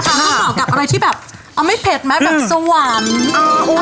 สวยมากคุณน้ำพริกที่สวรรค์